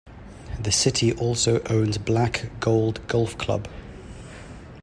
The city also owns Black Gold Golf Club.